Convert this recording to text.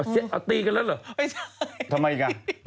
ตั้งแต่ประวัติสร้างหนุ่ม